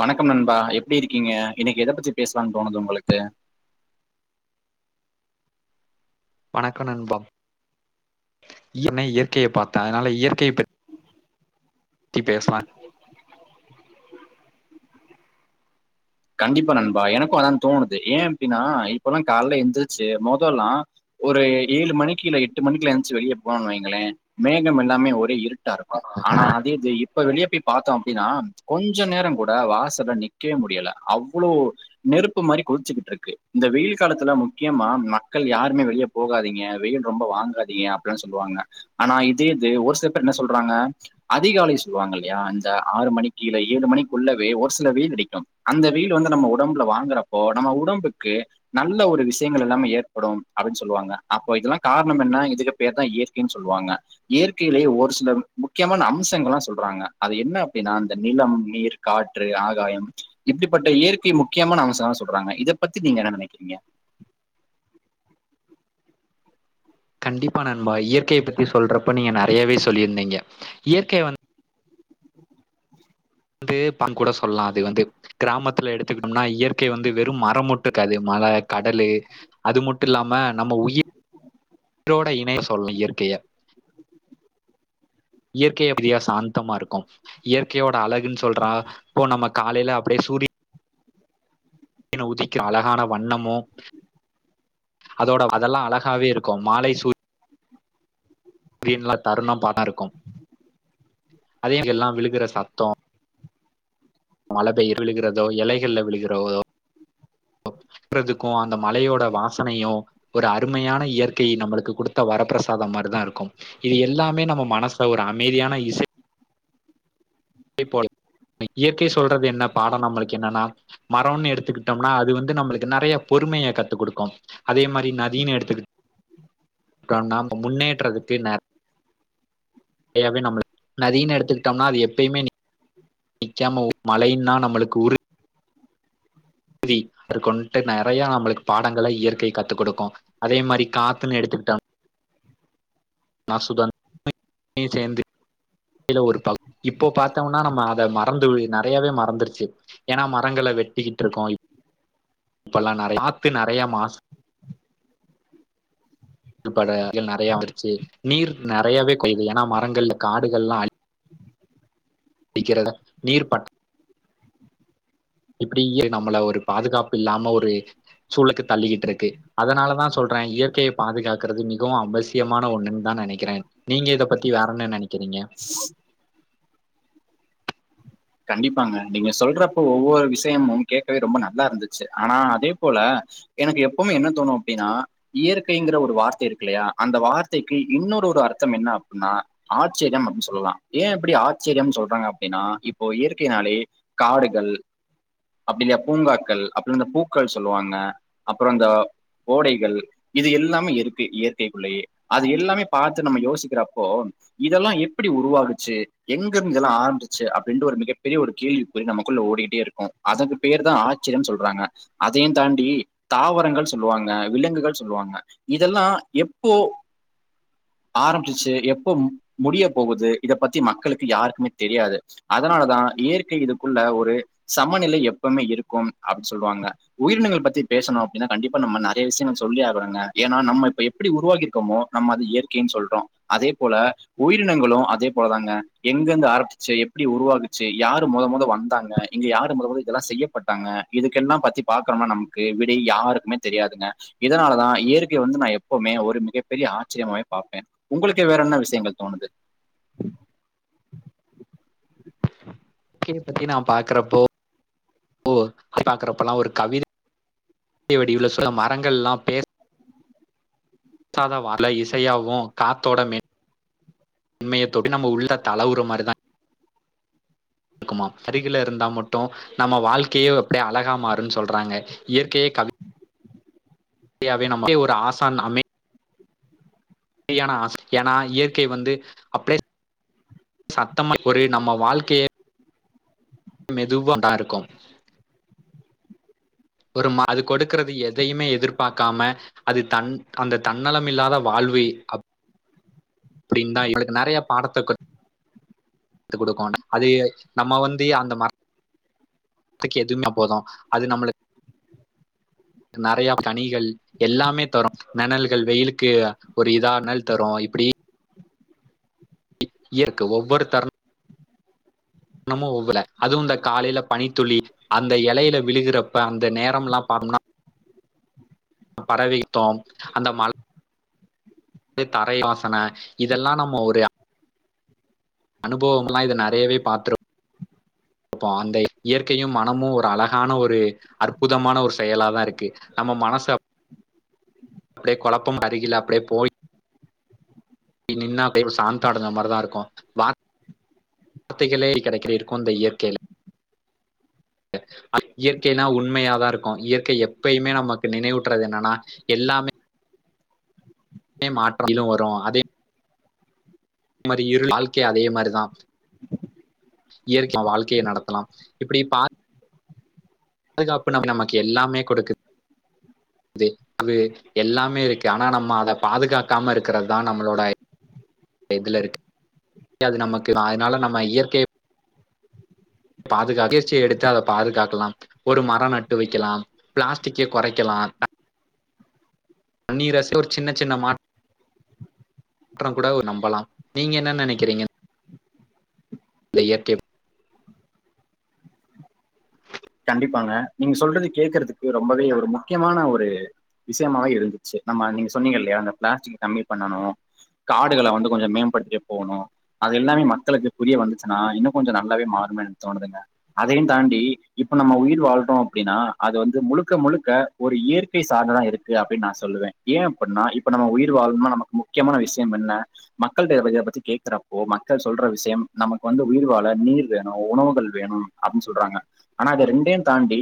வணக்கம் நண்பா எப்டி இருக்கீங்க இன்னிக் எத பத்தி பேஸ்லான் தோணுது உங்களுக்கு வணக்கோ நண்பா [inaudible] இயற்கைய பாத்தே அதுனால இயற்கைய பத்தி பேஸ்லா கண்டிப்பா நண்பா எனக்கு அதா தோணுது ஏ அப்டினா இப்பல்லா கால்ல எந்திர்ச்சு மொதல்லா ஒரு ஏழு மணிக்கு இல்ல எட்டு மணிக்குலா எந்திர்ச்சு வெளிய போனோன் வெய்ங்களே மேகம் எல்லாமே ஒரே இருட் டா இருக்கு ஆனா [unintelligible] இப்ப வெளிய போய் பாத்தோ அப்டினா கொஞ்ச நேரங்கூட வாசல்ல நிக்கவே முடியல அவ்வளோ நெருப்பு மாரி கொதிச்சுக்கிட்ருக்கு இந்த வெயில் காலத்துல முக்கியமா மக்கள் யாருமே வெளிய போகாதீங்க வெயில் ரொம்ப வாங்காதீங்க அப்பிட்லா சொல்லுவாங்க ஆனா இதே இது ஒரு சில பேர் என்ன சொல்றாங்க அதிகாலை சொல்லுவாங்கில்லயா இந்த ஆறு மணிக்கு இல்ல ஏழு மணிக்குள்ளவே ஒரு சில வெயிலடிக்கு அந்த வெயில் வந்து நம்ம உடம்புல வாங்கறப்போ நம்ம உடம்புக்கு நல்ல ஒரு விஷயங்கள் எல்லாமே ஏற்படும் அப்டின் சொல்லுவாங்க அப்போ இதெல்லா கார்ணம் என்ன இதுக்கு பேர் தா இயற்கைன் சொல்வாங்க இயற்கைலயே ஒரு சில ம் முக்கியமான அம்சங்கள்லா சொல்றாங்க அது என்ன அப்டின்னா அந்த நிலம், நீர், காற்று, ஆகாயம் இப்டிப்பட்ட இயற்கை முக்கியமான அம்சல்லா சொல்றாங்க இத பத்தி நீங்க என்ன நெனைக்றீங்க கண்டிப்பா நண்பா இயற்கைய பத்தி சொல்றப்ப நீங்க நெறையாவே சொல்லீர்ந்தீங்க இயற்கைய வந் து பான் கூட சொல்லா அது வந்து கிராமத்துல எடுத்துக்கிட்டோம்னா இயற்கை வந்து வெறும் மரோ மட்டு இர்க்காது மழ, கடலு அது மட்டு இல்லாம நம்ம உயி ரோட இணைய சொல்லா இயற்கைய இயற்கை அமைதியா சாந்தமா இருக்கு இயற்கையோட அழகுன் சொல்றா இப்போ நம்ம காலைல அப்டியே சூரி யன உதிக்கிற அழகான வண்ணமு அதோட அதெல்லா அழகாவே இருக்கும் மாலை சூ சீன்ல தருணம் பாத்தா இருக்கும் அதே இங்க எல்லா விழுகுற சத்தோ மழை பெய்ர விழுகிறதோ இலைகள்ல விழுகிறதோ ஓ கொட்டுறதுக்கு அந்த மழையோட வாசனையு ஒரு அருமையான இயற்கை நம்ளுக்கு குடுத்த வரப்பிரசாதம் மாரிதா இருக்கு இது எல்லாமே நம்ம மனசுல ஒரு அமைதியான இசை சை போல இயற்கை சொல்றது என்ன பாடம் நம்மளுக் என்னன்னா மரன்னு எடுத்துக்கிட்டோம்னா அது வந்து நம்ளுக் நெறைய பொறுமைய கத்து குடுக்கு அதே மாரி நதின்னு எடுத்து கிட்டோம்னா முன்னேற்றதுக்கு ந நெறையாவே நம்ம நதின்னு எடுத்துக்கிட்டேம்னா அது எப்பயுமே நிக்காம மலைன்னா நம்ளுக் உறு தி அறு கொண்டு நெறயா நம்ளுக் பாடங்கள இயற்கை கத்து குடுக்கு அதே மாரி காத்துன் எடுத்துக்கிட்டோம் நா சுதன் [inaudible] சேந்து இல ஒரு ப இப்போ பாத்தோம்னா நம்ம அத மறந்து நெறையாவே மறந்துருச்சு ஏனா மரங்கள வெட்டிகிட்ருக்கோ இ இப்பல்லா நெறையா காத்து நெறையா மாசு பட [unintelligible] வந்த்ருச்சு நீர் நெறையாவே கொய்து ஏனா மரங்கள் காடுகள்ல்லா அழி க்கிறத நீர் பற் இப்டி நம்மள ஒரு பாதுகாப்பு இல்லாம ஒரு சூழுக்கு தள்ளிக்கிட்ருக்கு அதனால தா சொல்றே இயற்கையை பாதுகாக்கறது மிகவு அவசியமான ஒன்னுன் தா நெனைக்கிறே நீங்க இத பத்தி வேற என்ன நெனைக்கிறீங்க [unintelligible] கண்டிப்பாங்க நீங்க சொல்றப்ப ஒவ்வொரு விஷயமும் கேட்கவே ரொம்ப நல்லா இருந்துச்சு ஆனா அதே போல எனக்கு எப்பமே என்ன தோணு அப்டின்னா இயற்கைங்கிற ஒரு வார்த்தை இருக்குல்லையா அந்த வார்த்தைக்கு இன்னொரு ஒரு அர்த்தம் என்ன அப்பின்னா ஆச்சர்யம் அப்படின் சொல்லலா ஏ எப்டி ஆச்சரியம்ன் சொல்றாங்க அப்டின்னா இப்போ இயற்கையினாலே காடுகள் அப்டி இல்லையா பூங்காக்கள் அப்டி இந்த பூக்கள் சொல்லுவாங்க அப்றோ இந்த ஓடைகள் இது எல்லாமே இருக்கு இயற்கைக்குள்ளயே அது எல்லாமே பாத்து நம்ம யோசிக்கிறப்போ இதெல்லா எப்டி உருவாகிச்சு எங்க இருந்து இதெல்லா ஆரம்பிச்சு அப் ரெண்டு ஒரு மிகப்பெரிய ஒரு கேள்வி குறி நமக்குள்ள ஓடிக்கிட்டே இருக்கு அதுக்கு பேர்தா ஆச்சரியம்னு சொல்றாங்க அதையும் தாண்டி தாவரங்கள் சொல்லுவாங்க விலங்குகள் சொல்லுவாங்க இதெல்லா எப்போ ஆரம்ப்சிச்சி எப்போம் முடிய போகுது இத பத்தி மக்களுக்கு யாருக்குமே தெரியாது அதனாலதா இயற்கை இதுக்குள்ள ஒரு சமநிலை எப்பமே இருக்கும் அப்படின் சொல்லுவாங்க உயிரினங்கள் பத்தி பேசணு அப்டின்னா கண்டிப்பா நம்ம நெறைய விஷயங்கள் சொல்லி ஆகணுங்க ஏனா நம்ம இப்ப எப்டி உருவாயிருக்கோமோ நம்ம அது இயற்கைன் சொல்றோ அதே போல உயிரினங்களு அதே போலதாங்க எங்கருந்து ஆரம்ப்சிச்சி எப்டி உருவாகுச்சு யாரு மொத மொத வந்தாங்க இங்க யாரு மொத மொத இதெல்லா செய்யப்பட்டாங்க இதுக்கெல்லா பத்தி பாக்கணும்னா நமக்கு விடை யாருக்குமே தெரியாதுங்க இதனாலதா இயற்கை வந்து நா எப்பமே ஒரு மிகப்பெரிய ஆச்சரியமாவே பாப்பே உங்களுக்கு வேற என்ன விஷயங்கள் தோணுது க்கய பத்தி நா பாக்குறப்போ [inaudible] ஓ பாக்குறப்பல்லா ஒரு கவித சில மரங்கள்ல்லா பே [unintelligible] இசையாவு காத்தோட மென் உண்மையத்தோட்டி நம்ம உள்ள தலவுற மாரி தா ஆமா சருகில் இருந்தா மட்டு நம்ம வாழ்க்கையே அப்டே அழகா மாறுனு சொல்றாங்க இயற்கையே கவி நம்ம ஒரு ஆசான் அமை ஏன்னா ஏனா இயற்கை வந்து அப்ளே சத்தமா ஒரு நம்ம வாழ்க்கையே மெதுவா தா இருக்கு ஒரு மா அது கொடுக்குறது எதையுமே எதிர்பாக்காம அது தன் அந்த தன்னலம் இல்லாத வாழ்வை அப்டின் தா எங்களுக்கு நெறைய பாடத்த கத் த்து குடுக்கு அது நம்ம வந்து அந்த மரத் க்கு எதுமே அப்போதா அது நம்மளுக் நெறையா பனிகள் எல்லாமே தரு நெணல்கள் வெயிலுக்கு ஒரு இதா நெனல் தரு இப்டி இயருக்கு ஒவ்வொருதரு நம்ம ஒவ்வல அதுவு இந்த காலையில பனி துளி அந்த எலயில விழுகுறப்ப அந்த நேரம்ல்லா பாத்தம்னா பரவைத்தோம் அந்த மழ தரை வாசன இதெல்லா நம்ம ஒரு அனுபவங்லா இது நெறையவே பாத்துருப் போ அந்த இயற்கையு மனமும் ஒரு அழகான ஒரு அற்புதமான ஒரு செயலா தா இருக்கு நம்ம மனசு அப்டே கொழப்பம் அருகில் அப்டே போய் நின்னா பேரு சாந்த அடைஞ்ச மாருதா இருக்கு வாத் வார்த்தைகளே கெடைக்கிற இருக்கும் இந்த இயற்கேயில இயற்கைனா உண்மையாதா இருக்கு இயற்கை எப்பயுமே நமக்கு நினைவுட்றது என்னன்னா எல்லாமே மாற்றம் [unintelligible] வரு அதே மாரி இருள் வாழ்க்கையே அதே மாரிதா இயற்கை வாழ்க்கைய நடத்தலா இப்டி பாத் பாதுகாப்பு நம்ம நமக்கு எல்லாமே குடுக்கு [inaudible] து அது எல்லாமே இருக்கு ஆனா நம்ம அத பாதுகாக்காம இருக்கறதுதா நம்மளோட எதுல இருக்கு அது நமக்கு அதனால நம்ம இயற்கைய பாதுகாக்க முயர்ச்சிய எடுத்து அத பாதுகாக்கலா ஒரு மரம் நட்டு வைக்கலா பிளாஸ்டிக்க குறைக்கலா பன்னீராசில ஒரு சின்ன சின்ன மா க்கடம் கூட நம்பலா நீங்க என்ன நெனைக்கிறீங்க இயற்கை கண்டிப்பாங்க நீங்க சொல்றது கேக்குறதுக்கு ரொம்பவே ஒரு முக்கியமான ஒரு விஷயமாவே இருந்துச்சு நம்ம நீங்க சொன்னீங்க இல்லையா அந்த பிளாஸ்டிக் கம்மி பண்ணணு காடுகள வந்து கொஞ்ச மேம்படுத்தி போணுஅவ அது எல்லாமே மக்களுக்கு புரிய வந்துச்சுன்னா இன்னு கொஞ்ச நல்லாவே மாறுனு தோணுதுங்க அதையும் தாண்டி இப்ப நம்ம உயிர் வாழ்றோ அப்டின்னா அது வந்து முழுக்க முழுக்க ஒரு இயற்கை சார்ந்ததா இருக்கு அப்டின்னு நா சொல்லுவே ஏன் அப்பின்னா இப்ப நம்ம உயிர் வாழும்னா நமக்கு முக்கியமான விஷயம் என்ன மக்கள்ட்ட இத பத்தி கேக்குறப்போ மக்கள் சொல்ற விஷயம் நமக்கு வந்து உயிர் வாழ நீர் வேணு உணவுகள் வேணு அப்டின்னு சொல்றாங்க ஆனா அது ரெண்டையும் தாண்டி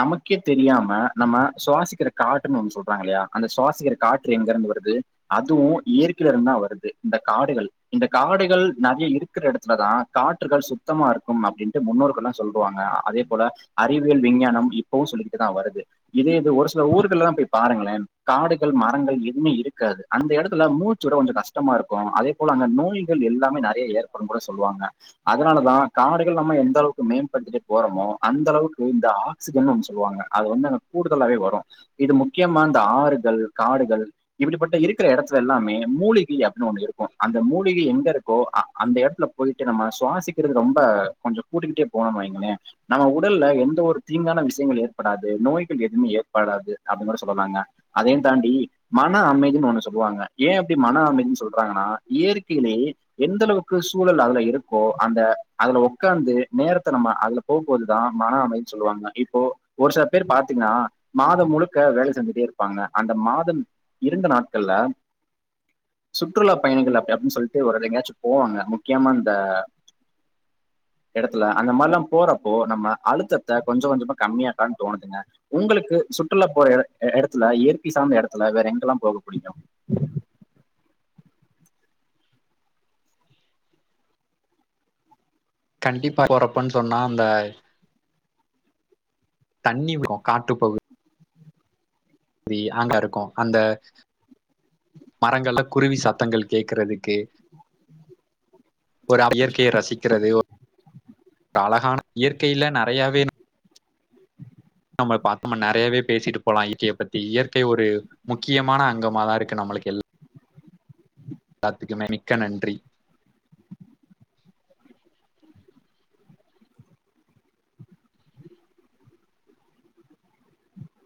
நமக்கே தெரியாம நம்ம சுவாசிக்கிற காடற்றுன்னு ஒண்ணு சொல்றாங்கல்லையா அந்த சுவாசிக்கிற காற்று எங்க இருந்து வருது அதுவு இயற்கைலேருந்து தா வருது இந்த காடுகள் இந்த காடுகள் நறைய இருக்கிற எடத்துல தா காற்றுகள் சுத்தமா இருக்கும் அப்டின்ட்டு முன்னோர்கள்லா சொல்லுவாங்க அதே போல அறிவியல் விஞ்ஞானம் இப்போவு சொல்லிட்டு தா வருது இதே இது ஒரு சில ஊர்கள்லா போய் பாருங்கள காடுகள் மரங்கள் எதுவுமே இருக்காது அந்த எடத்துல மூச்சுட கொஞ்ச கஷ்டமா இருக்கு அதே போல அங்க நோய்கள் எல்லாமே நறைய ஏற்படும் கூட சொல்வாங்க அதுனாலதா காடுகள் நம்ம எந்த அளவுக்கு மேம்படுத்திட்டே போறோமோ அந்தளவுக்கு இந்த ஆக்சிஜன் ஒன்னு சொல்லுவாங்க அது வந்து அங்க கூடுதலாவே வரு இது முக்கியமா அந்த ஆறுகள் காடுகள் இப்டிப்பட்ட இருக்கிற எடத்துல எல்லாமே மூலிகைய ஒண்ணு இருக்கும் அந்த மூலிகை எங்க இருக் கோ அந்த அந்த எடத்துல போயிட்டு நம்ம சுவாசிக்கிறது ரொம்ப கொஞ்ச கூட்டிக்கிட்டே போணும்னு வைங்களே நம்ம உடல்ல எந்த ஒரு தீங்கான விஷயங்கள் ஏற்படாது நோய்கள் எதுவுமே ஏற்படாது அப்படிங்கூட சொல்லலாங்க அதேயு தாண்டி மன அமைதின்னு ஒண்ணு சொல்லுவாங்க ஏன் அப்டி மன அமைதின்னு சொல்றாங்கன்னா இயற்கயிலேயே எந்த அளவுக்கு சூழல் அதுல இருக்கோ அந்த அதுல உக்காந்து நேரத்த நம்ம அதுல போப் போது தா மன அமைதின்னு சொல்வாங்க இப்போ ஒரு சில பேர் பாத்தீங்னா மாதம் முழுக்க வேல செஞ்சிட்டே இருப்பாங்க அந்த மாதம் இரண்டு நாட்கள்ல சுற்றுலா பயணிகள் அப்டி அப்படின்னு அப் சொல்லிட்டு ஒவேற எங்கயாச்சும் போவாங்க முக்கியமா இந்த எடத்துல அந்த மாரிலலாம் போறப்போ நம்ம அழுத்தத் கொஞ்சம் கொஞ்சமா கம்மியாக்கான்னு தோணுதுங்க கோ ங் சத்தஉங்களுக்கு சுற்றுலா போற எடத்துல இயற்கை சாந்த எடத்துல வேற எங்கெல்லாம் போக புடிகும் கண்டிப்பா போறப்பன்னு சொன்னா அந்த தண்ணி இருக்கு காட்டுப் பகு தி அங்க இருக்கும் அந்த மரங்கள்ல குருவி சத்தங்கள் கேக்குறதுக்கு ஒரு இயற்கைய ரசிக்கிறது அழகான இயற்கையில நறையாவே நம்மள் பாத்தோம்னா நறையாவே பேசிட்டு போலா இயற்கைய பத்தி இயற்கை ஒரு முக்கியமான அங்கமா தா இருக்கு நம்மளுக்கு எல்லா த்துக்குமே மிக்க நன்றி